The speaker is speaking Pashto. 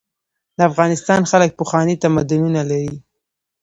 د افغانستان خلک پخواني تمدنونه لري.